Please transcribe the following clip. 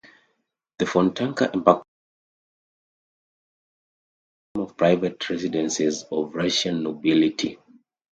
The Fontanka Embankment is lined with the former private residences of Russian nobility.